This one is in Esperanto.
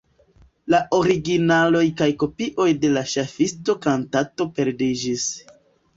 La originaloj kaj kopioj de la ŝafisto-kantato perdiĝis.